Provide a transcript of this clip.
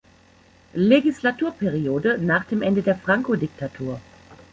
Legislaturperiode nach dem Ende der Franco-Diktatur.